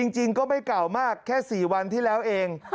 จริงก็ไม่เก่ามากแค่๔วันที่แล้วเอง